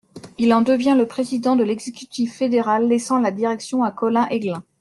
Il en devient le président de l'exécutif fédéral laissant la direction à Colin Eglin.